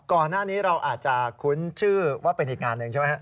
ก่อนหน้านี้เราอาจจะคุ้นชื่อว่าเป็นอีกงานหนึ่งใช่ไหมครับ